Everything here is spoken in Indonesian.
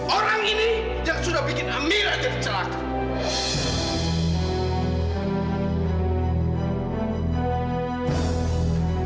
orang ini yang sudah bikin amirah jadi celaka